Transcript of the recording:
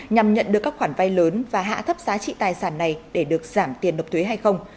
nhằm nhận được các khoản vay lớn và hạ thấp giá trị tài sản này để được giảm tiền nộp thuế hay không